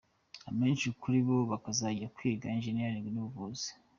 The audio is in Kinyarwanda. Abenshi muri bo bakazajya kwiga Engineering n’ubuvuzi.